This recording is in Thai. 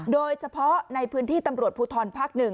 โดยเฉพาะในพื้นที่ตำรวจภูทรภาค๑